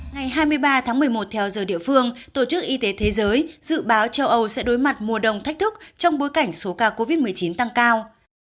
ngày hai mươi ba tháng một mươi một theo giờ địa phương tổ chức y tế thế giới dự báo châu âu sẽ đối mặt mùa đông thách thức trong bối cảnh số ca covid một mươi chín tăng cao